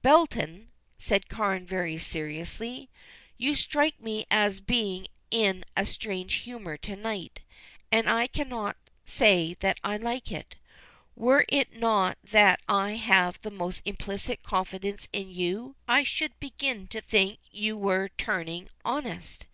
"Belton," said Carne very seriously, "you strike me as being in a strange humor to night, and I cannot say that I like it. Were it not that I have the most implicit confidence in you, I should begin to think you were turning honest.